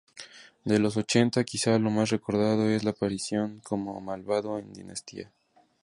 De los ochenta, quizá lo más recordado es su aparición como malvado en "Dinastía".